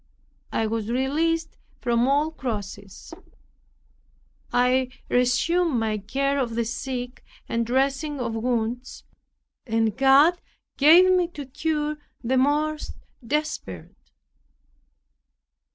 I was released from all crosses. I resumed my care of the sick, and dressing of wounds, and God gave me to cure the most desperate.